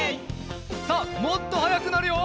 さあもっとはやくなるよ。